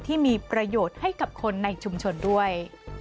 ที่มีประโยชน์ให้กับคนในชุมชนด้วย